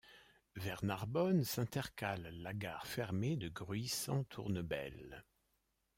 Vers Narbonne, s'intercale la gare fermée de Gruissan-Tournebelle.